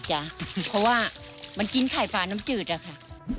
จ้ะเพราะว่ามันกินไข่ฟาน้ำจืดอะค่ะ